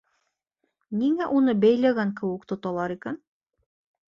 Ниңә уны бәйләгән кеүек тоталар икән?